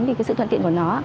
vì sự thuận tiện của nó